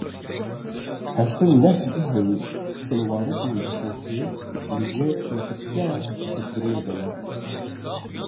Heftê û neh cihên şûnwarî yên Duhokê li jêr metirsiya têkbirinê de ne.